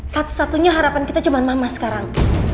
satu satunya harapan kita cuma mama sekarang